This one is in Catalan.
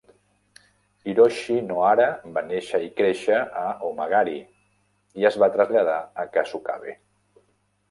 Hiroshi Nohara va néixer i créixer a Omagari i es va traslladar a Kasukabe.